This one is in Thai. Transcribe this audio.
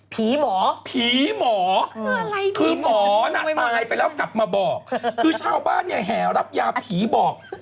ผีหมอผีหมอคือหมอน่ะตายไปแล้วกลับมาบอกคือชาวบ้านเนี่ยแห่รับยาผีบอก